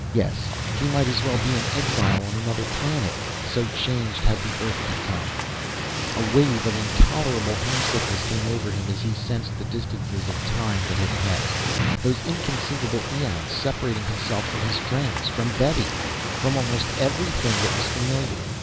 Yes, he might as well be an exile on another planet so changed had the Earth become. A wave of intolerable homesickness came over him as he sensed the distances of time that had passed those inconceivable eons, separating himself from his friends, from Betty, from almost everything that was familiar.